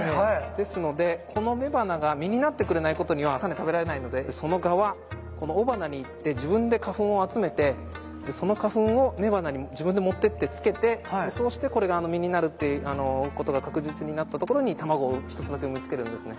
ですのでこの雌花が実になってくれないことには種食べられないのでその蛾はこの雄花に行って自分で花粉を集めてその花粉を雌花に自分で持ってって付けてそうしてこれが実になるっていうことが確実になったところに卵を一つだけ産みつけるんですね。